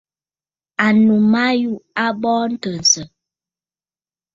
Ànnù ma yû a bɔɔ ntɨ̀nsə̀.